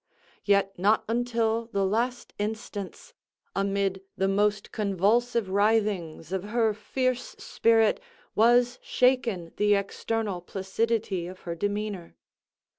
Yet not until the last instance, amid the most convulsive writhings of her fierce spirit, was shaken the external placidity of her demeanor.